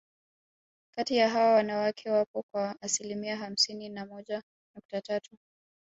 Kati ya hawa wanawake wapo kwa asilimia hamsini na moja nukta tatu